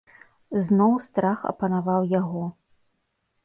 Зноў страх апанаваў яго.